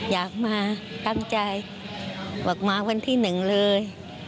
อยากมาตั้งใจมาวันที่๑เลย